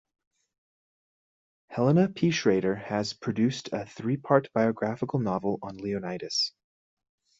Helena P. Schrader has produced a three-part biographical novel on Leonidas.